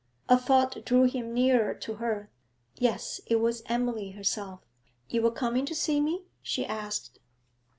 A thought drew him nearer to her. Yes, it was Emily herself. 'You were coming to see me?' she asked.